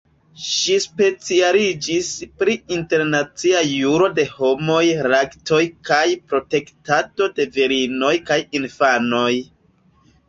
Ŝi specialiĝis pri Internacia juro de homaj rajtoj kaj protektado de virinoj kaj infanoj.